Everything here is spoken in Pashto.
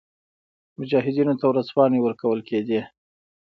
مجاهدینو ته ورځپاڼې ورکول کېدې.